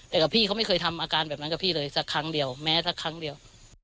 แต่กับพี่เขาไม่เคยทำอาการแบบนั้นกับพี่เลยสักครั้งเดียวแม้สักครั้งเดียว